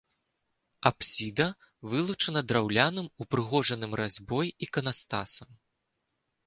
Апсіда вылучана драўляным, упрыгожаным разьбой іканастасам.